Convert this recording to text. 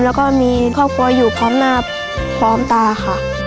แล้วก็มีครอบครัวอยู่พร้อมหน้าพร้อมตาค่ะ